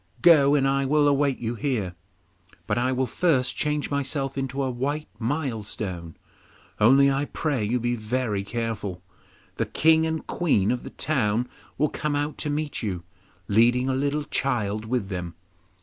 Go, and I will await you here, but I will first change myself into a white milestone; only I pray you be very careful. The King and Queen of the town will come out to meet you, leading a little child with them.